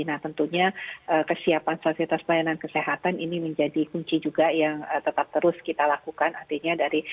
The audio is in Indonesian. nah tentunya kesiapan fasilitas pelayanan kesehatan ini menjadi kunci juga yang tetap terus kita lakukan artinya dari